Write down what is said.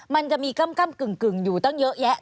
มันจะมีกำกึ่งอยู่ตั้งเยอะแยะ